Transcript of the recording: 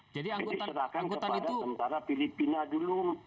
jadi diserahkan kepada tentara filipina dulu